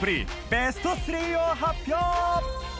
ベスト３を発表！